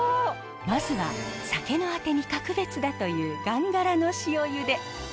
まずは酒のあてに格別だというガンガラの塩ゆで。